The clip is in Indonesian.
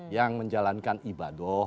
yang menjalankan ibadah